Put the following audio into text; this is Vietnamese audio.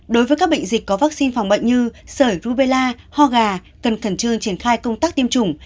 đối với các bệnh dịch có vắc xin phòng bệnh như sở rubella ho gà cần cần trương triển khai công tác tiêm chủng